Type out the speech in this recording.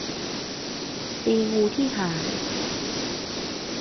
ตีงูที่หาง